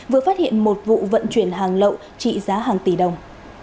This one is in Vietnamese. vừa phát hiện một vụ vận chuyển hàng lậu trị giá hàng tỷ đồng